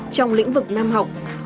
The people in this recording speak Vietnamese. trong lĩnh vực nam học